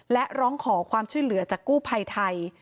และร้องขอความช่วยเหลือจากกู้ภัยไทย